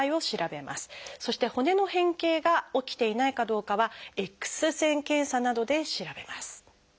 そして骨の変形が起きていないかどうかは「Ｘ線検査」などで調べます。